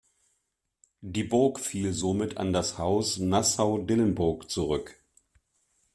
Die Burg fiel somit an das Haus Nassau-Dillenburg zurück.